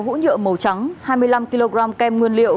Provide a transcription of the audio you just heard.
bốn mươi sáu hũ nhựa màu trắng hai mươi năm kg kem nguyên liệu